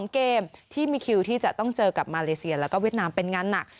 ๒เกมที่มีคิวที่จะต้องเจอกับมาเลเซียแล้วก็เวียดนามเป็นงานหนัก